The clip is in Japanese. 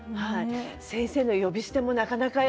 先生の呼び捨てもなかなか。